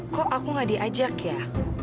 kok aku gak diajak ya